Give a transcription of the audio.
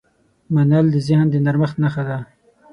منل د ذهن د نرمښت نښه ده.